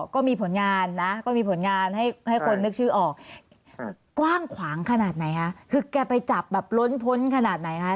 ก็มีผลงานนะก็มีผลงานให้คนนึกชื่อออกกว้างขวางขนาดไหนคะคือแกไปจับแบบล้นพ้นขนาดไหนคะ